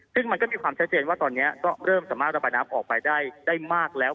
ซึ่งมันก็มีความชัดเจนว่าตอนนี้ก็เริ่มสามารถระบายน้ำออกไปได้มากแล้ว